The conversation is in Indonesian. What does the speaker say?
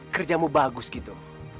kerjamu bagus gitu